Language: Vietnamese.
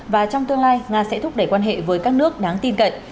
và trong tương lai nga sẽ thúc đẩy quan hệ với các nước đáng tin cậy